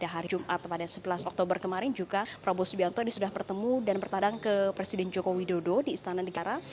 hari jumat pada sebelas oktober kemarin juga prabowo subianto sudah bertemu dan bertadang ke presiden joko widodo di istana negara